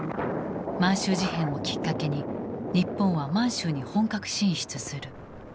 満州事変をきっかけに日本は満州に本格進出する。